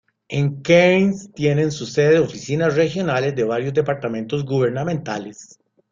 En Cairns tienen su sede oficinas regionales de varios departamentos gubernamentales.